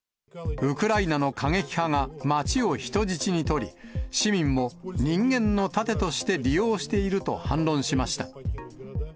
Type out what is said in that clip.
ウクライナの過激派が街を人質に取り、市民も人間の盾として利用していると反論しました。